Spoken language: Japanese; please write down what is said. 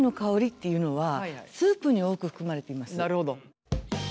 なるほど！